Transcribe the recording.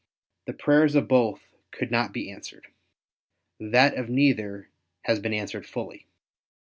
The prayers of both could not be answered. That of neither has been answered fully.